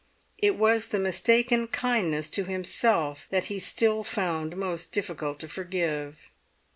It was the mistaken kindness to himself that he still found most difficult to forgive.